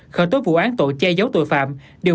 khởi tố vụ án tội che giấu tội phạm